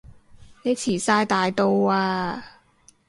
你遲哂大到啊